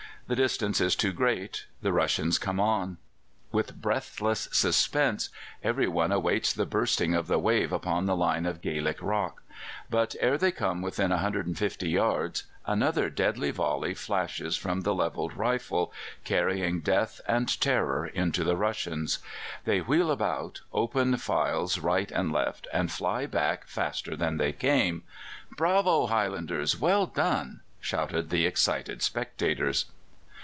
The distance is too great; the Russians come on. With breathless suspense every one awaits the bursting of the wave upon the line of Gaelic rock; but ere they come within 150 yards, another deadly volley flashes from the levelled rifle, carrying death and terror into the Russians. They wheel about, open files right and left, and fly back faster than they came. 'Bravo, Highlanders! well done!' shout the excited spectators.